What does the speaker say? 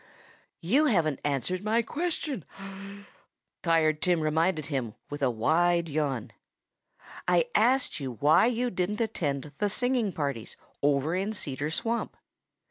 "You haven't answered my question," Tired Tim reminded him with a wide yawn. "I asked you why you didn't attend the singing parties over in Cedar Swamp.